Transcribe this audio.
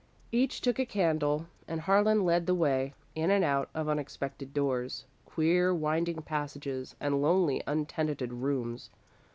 Each took a candle and Harlan led the way, in and out of unexpected doors, queer, winding passages, and lonely, untenanted rooms.